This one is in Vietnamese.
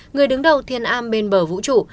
người đứng đầu thiền am bên bờ vũ trụ